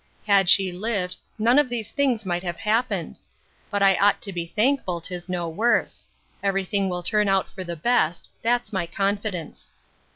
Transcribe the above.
Had she lived, none of these things might have happened!—But I ought to be thankful 'tis no worse. Every thing will turn about for the best: that's my confidence.